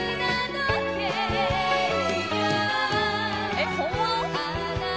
えっ本物？